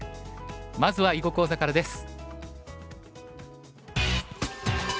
まずは囲碁講座からです。